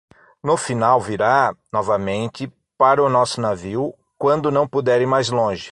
No final, virá, novamente, para o nosso navio, quando não puder ir mais longe.